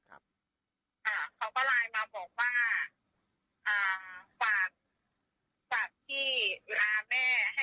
พี่เห็นพี่ก็ตกใจนะเพราะว่าจริงอ่ะตอนที่ว่ารู้รู้จักพี่สาวที่ว่าเขาเคยคือว่า